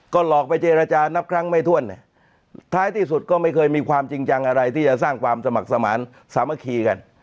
ก็หลอกไปเจรจานับครั้งไม่ถ้วนท้ายที่สุดก็ไม่เคยมีความจริงจังอะไรที่จะสร้างความสมัครสมานสามัคคีกัน